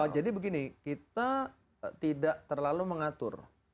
jadi begini kita tidak terlalu mengatur